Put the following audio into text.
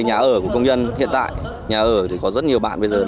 vấn đề nhà ở của công nhân hiện tại nhà ở có rất nhiều bạn bây giờ